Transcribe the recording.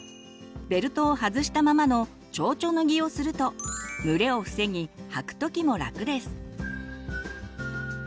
ベルトを外したままの「ちょうちょ脱ぎ」をすると蒸れを防ぎ履く時も楽です。